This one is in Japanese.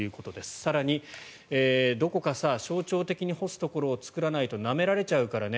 更に、どこかさ象徴的に干すところを作らないとなめられちゃうからね。